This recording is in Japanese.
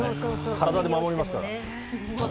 体で守りますから。